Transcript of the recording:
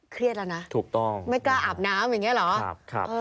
เครียดแล้วนะไม่กล้าอาบน้ำอย่างนี้เหรอถูกต้องครับ